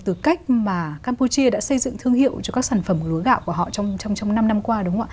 từ cách mà campuchia đã xây dựng thương hiệu cho các sản phẩm lúa gạo của họ trong năm năm qua